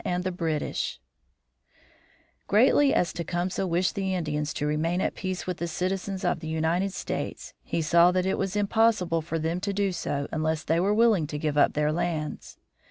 TECUMSEH AND THE BRITISH Greatly as Tecumseh wished the Indians to remain at peace with the citizens of the United States, he saw that it was impossible for them to do so unless they were willing to give up their lands.